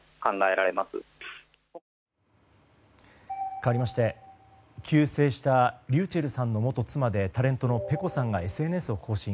かわりまして、急逝したｒｙｕｃｈｅｌｌさんの元妻でタレントのｐｅｃｏさんがＳＮＳを更新。